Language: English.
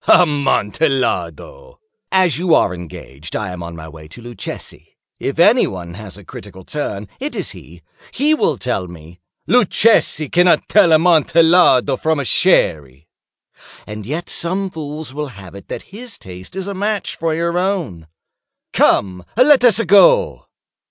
"Amontillado!" "As you are engaged, I am on my way to Luchesi. If any one has a critical turn, it is he. He will tell me—" "Luchesi cannot tell Amontillado from Sherry." "And yet some fools will have it that his taste is a match for your own." "Come, let us go."